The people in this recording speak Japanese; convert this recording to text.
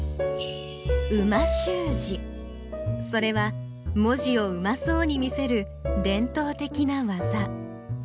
それは文字をうまそうに見せる伝統的な技。